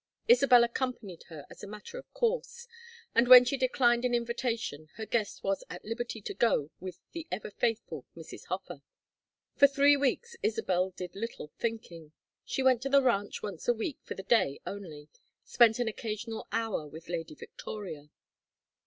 Isabel accompanied her as a matter of course, and when she declined an invitation her guest was at liberty to go with the ever faithful Mrs. Hofer. For three weeks Isabel did little thinking. She went to the ranch once a week for the day only, spent an occasional hour with Lady Victoria.